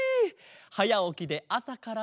はやおきであさからげんき。